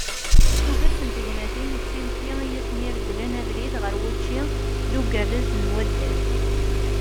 Tuget n tegnatin d timetti i asen-iregglen abrid ɣer wučči d ugerrez n waddad.